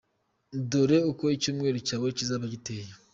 Dore uko icyumweru cyawe kizaba giteye:.